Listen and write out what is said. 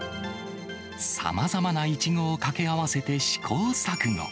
さまざまなイチゴを掛け合わせて試行錯誤。